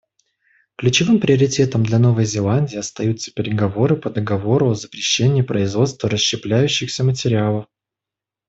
Ключевым приоритетом для Новой Зеландии остаются переговоры по договору о запрещении производства расщепляющихся материалов.